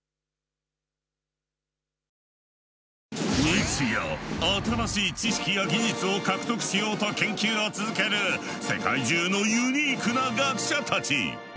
日夜新しい知識や技術を獲得しようと研究を続ける世界中のユニークな学者たち。